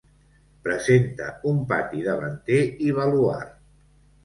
Presenta un pati davanter i baluard.